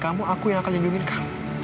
kamu aku yang akan lindungi kamu